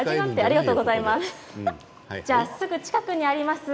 すぐ近くにあります